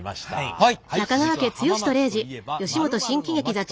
はい。